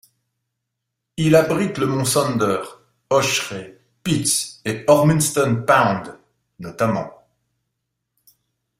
Il abrite le mont Sonder, Ochre Pits et Ormiston Pound notamment.